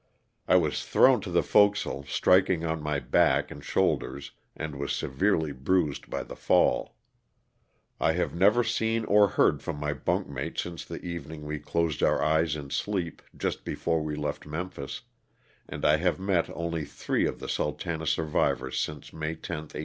I was thrown to the forecastle, striking on my back and shoulders and was severely bruised by the fall. I have never seen or heard from my bunk mate since the evening we closed our eyes in sleep just before we left Memphis, and I have met only three of the '' Sultana " survivors since May 10, 1865.